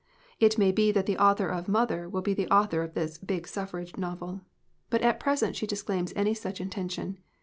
It may be that the author of Mother will be the author of this "big suffrage novel." But at pres ent she disclaims any such intention.